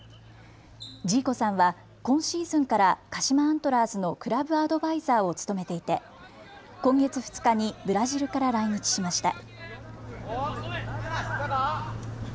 ジーコさんは今シーズンから鹿島アントラーズのクラブアドバイザーを務めていて今月２日にブラジルから来日しました。